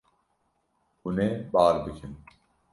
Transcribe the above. Hûn ê bar bikin.